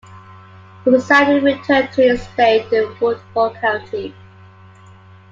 He resigned and returned to his estate in Woodford County.